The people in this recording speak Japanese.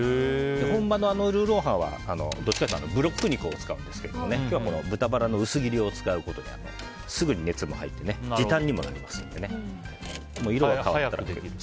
本場のルーロー飯はどっちかというとブロック肉を使っているんですが今日は豚バラの薄切りを使うことですぐに熱も入って時短にもなりますので。